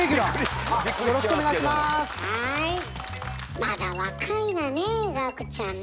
まだ若いわねえ岳ちゃんね。